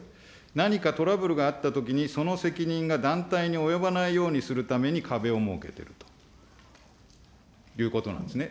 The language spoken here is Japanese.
何かトラブルがあったときに、その責任が団体に及ばないようにするために壁を設けているということなんですね。